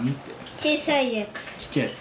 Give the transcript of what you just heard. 小さいやつ。